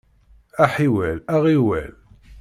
Aḥiwel, aɣiwel!